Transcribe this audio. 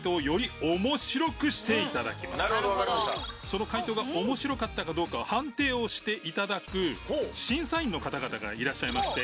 その回答が面白かったかどうかは判定をしていただく審査員の方々がいらっしゃいまして。